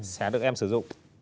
sẽ được em sử dụng